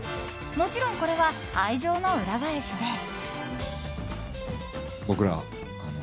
もちろんこれは愛情の裏返しで。